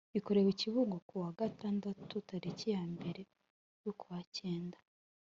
Bikorewe i Kibungo kuwa gatandatu tariki yambere yukwacyenda